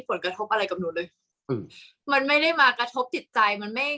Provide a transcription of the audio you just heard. ผลกระทบอะไรกับหนูเลยอืมมันไม่ได้มากระทบจิตใจมันไม่